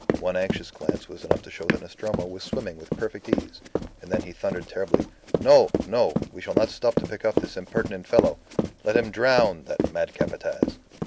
One anxious glance was enough to show him that Nostromo was swimming with perfect ease; and then he thundered terribly, "No! no! We shall not stop to pick up this impertinent fellow. Let him drown that mad Capataz."